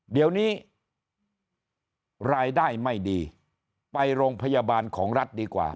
เดี๋ยวนี้รายได้ไม่ดีไปโรงพยาบาลของรัฐดีกว่า